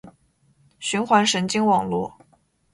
循环神经网络